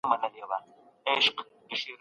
علم د تیاره لاري ډیوه ده.